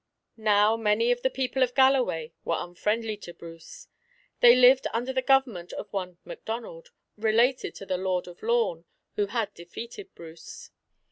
Now, many of the people of Galloway were unfriendly to Bruce. They lived under the government of one MacDougal, related to the Lord of Lorn, who had defeated Bruce.